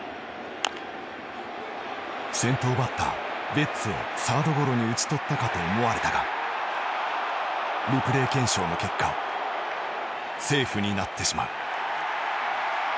先頭バッターベッツをサードゴロに打ち取ったかと思われたがリプレイ検証の結果セーフになってしまう。